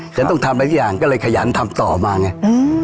ฉันต้องทำอะไรทุกอย่างก็เลยขยันทำต่อมาไง